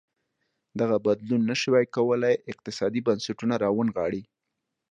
دغه بدلون نه ش وای کولی اقتصادي بنسټونه راونغاړي.